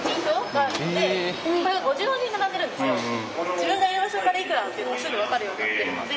自分がいる場所からいくらっていうのがすぐ分かるようになってるので。